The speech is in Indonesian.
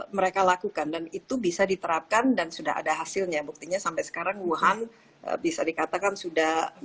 mereka lakukan dan itu bisa diterapkan dan sudah ada hasilnya buktinya sampai sekarang wuhan bisa dikatakan sudah